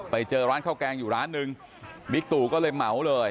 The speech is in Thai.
ไปเจอร้านข้าวแกงอยู่ร้านนึงบิ๊กตู่ก็เลยเหมาเลย